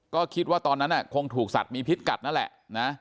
ก็คิดว่าตอนนั้นคงถูกสัตว์มีพิษกัดนั่นแหละนะ